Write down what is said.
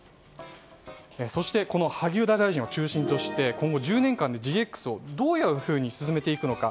そして、萩生田大臣を中心として今後１０年間でＧＸをどういうふうに進めていくのか。